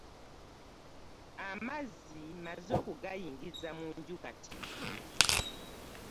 Amazzi mmaze okugayingiza mu nju kati.